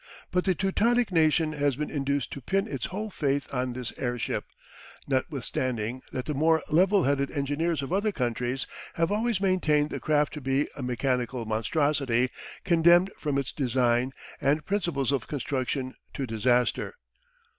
But the Teutonic nation has been induced to pin its whole faith on this airship, notwithstanding that the more levelheaded engineers of other countries have always maintained the craft to be a "mechanical monstrosity" condemned from its design and principles of construction to disaster.